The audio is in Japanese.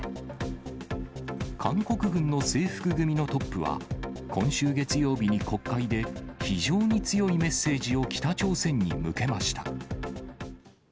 韓国軍の制服組のトップは、今週月曜日に国会で、非常に強いメッセージを北朝鮮に向けました。